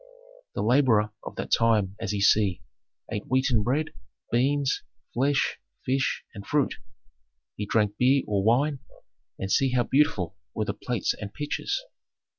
"The laborer of that time, as ye see, ate wheaten bread, beans, flesh, fish, and fruit; he drank beer or wine, and see how beautiful were the plates and pitchers.